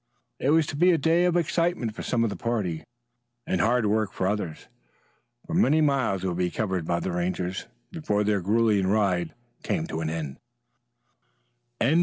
It was to be a day of excitement for some of the party and hard work for others, for many miles would be covered by the Rangers before their grilling ride came to an end.